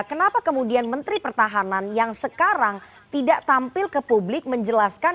kenapa kemudian menteri pertahanan yang sekarang tidak tampil ke publik menjelaskan